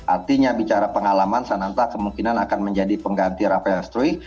artinya bicara pengalaman sananta kemungkinan akan menjadi pengganti rafael esthery